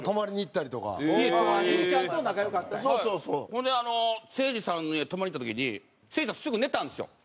ほんでせいじさんの家泊まりに行った時にせいじさんすぐ寝たんですよ。